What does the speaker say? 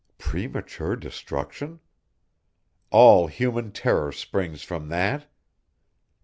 Premature destruction? All human terror springs from that!